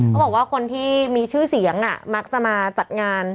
เขาบอกว่าคนที่มีชื่อเสียงมักจะมาจัดงาน